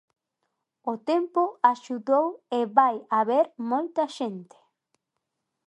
O tempo axudou e vai haber moita xente.